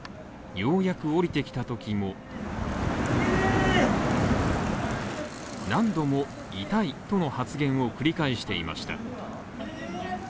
ようやく降りてきたときも、何度も痛いとの発言を繰り返していました。